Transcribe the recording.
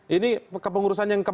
ini kemurusan yang kemarin